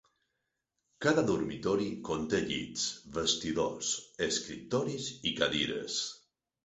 Cada dormitori conté llits, vestidors, escriptoris i cadires.